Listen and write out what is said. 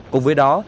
cùng với đó